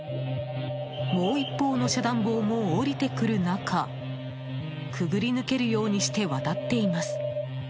もう一方の遮断棒も下りてくる中くぐり抜けるようにして渡っています。